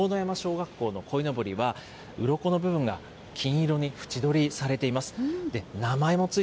今見ていただいたこの塔山小学校のこいのぼりは、うろこの部分が金色に縁取りされています。